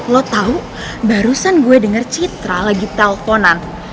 lo tau barusan gue denger citra lagi telfonan